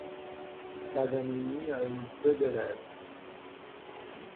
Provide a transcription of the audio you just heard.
Paganini a eu peu d'élèves.